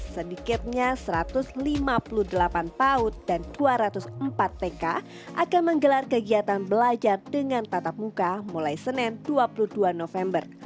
sedikitnya satu ratus lima puluh delapan paut dan dua ratus empat tk akan menggelar kegiatan belajar dengan tatap muka mulai senin dua puluh dua november